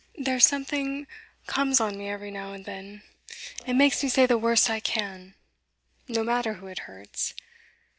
There's something comes on me every now and then, and makes me say the worst I can no matter who it hurts.